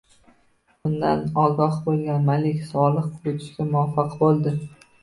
Bundan ogoh bo‘lgan Malik Solih qochishga muvaffaq bo‘ldi